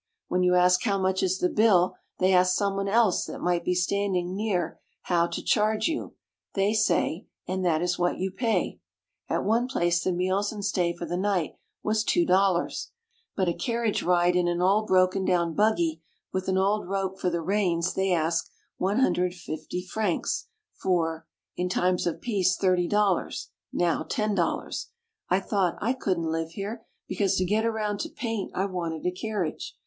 When you ask how much is the bill they ask someone else that might be standing near how to charge you — they say, and that is what you pay. At one place the meals and stay for the night was $2, but a carriage ride in an old broken down buggy with an old rope for the reins they ask 150 frcs for (in times of peace $80, now $10). I thought, I couldn't live here, because to get around to paint I wanted a carriage.